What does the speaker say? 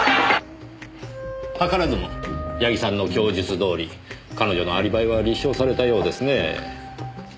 図らずも矢木さんの供述どおり彼女のアリバイは立証されたようですねえ。